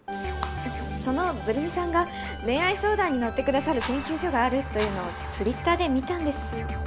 そのブル美さんが恋愛相談に乗ってくださる研究所があるっというのをツリッターで見たんです。